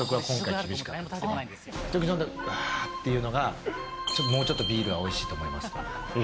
一口飲んで、ぷはーっていうのが、ちょっともうちょっと、ビールはおいしいと思います。